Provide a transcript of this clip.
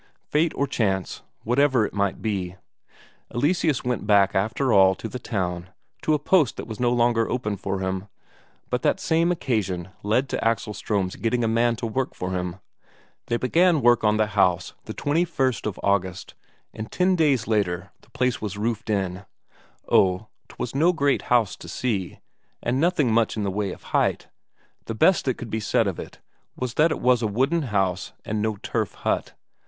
Fate or chance whatever it might be. Eleseus went back, after all, to the town, to a post that was no longer open for him, but that same occasion led to Axel Ström's getting a man to work for him. They began work on the house the 21st of August, and ten days later the place was roofed in. Oh, 'twas no great house to see, and nothing much in the way of height; the best that could be said of it was that it was a wooden house and no turf hut.